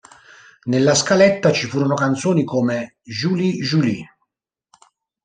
Nella scaletta ci furono canzoni come "July, July!